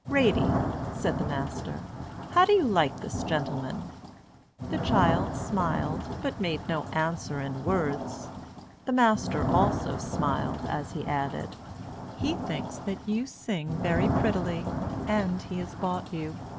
"Ratie," said the master, "how do you like this gentleman?" The child smiled, but made no answer in words. The master also smiled as he added: "He thinks that you sing very prettily, and he has bought you.